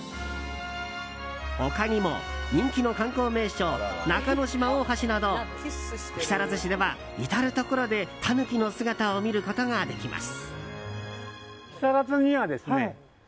他にも、人気の観光名所中の島大橋など木更津市では、至るところでタヌキの姿を見ることができます。